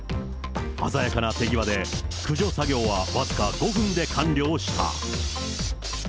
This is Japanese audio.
鮮やかな手際で、駆除作業は僅か５分で完了した。